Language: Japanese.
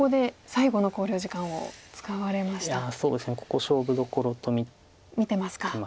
ここ勝負どころと見てます。